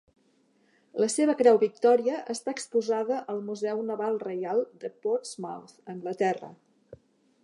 La seva Creu Victòria està exposada al Museu Naval Reial de Portsmouth (Anglaterra).